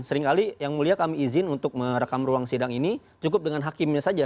seringkali yang mulia kami izin untuk merekam ruang sidang ini cukup dengan hakimnya saja